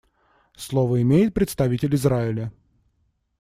Слово имеет представитель Израиля.